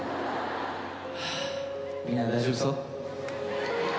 はー、みんな、大丈夫そう？